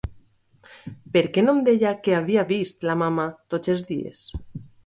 Per què no em deia que havia vist la mamma tots els dies?